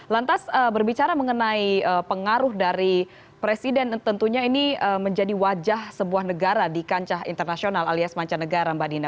lantas berbicara mengenai pengaruh dari presiden tentunya ini menjadi wajah sebuah negara di kancah internasional alias mancanegara mbak dina